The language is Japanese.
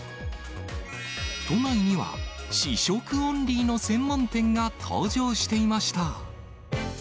都内には、試食オンリーの専門店が登場していました。